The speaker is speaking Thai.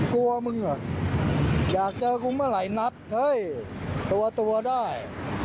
กลัวมึงอ่ะอยากเจอกูเมื่อไหร่นัดเฮ้ยตัวตัวได้